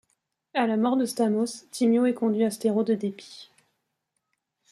À la mort de Stamos, Thymio éconduit Astéro de dépit.